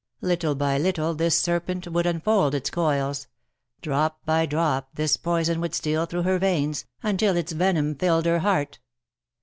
Little by little this serpent would unfold its coils; drop by LE SECRET DE POLICHINELLE. 25? drop this poison would steal through her veins, until its venom filled her heart.